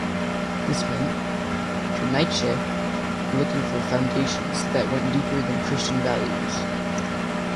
This meant, to Nietzsche, looking for foundations that went deeper than Christian values.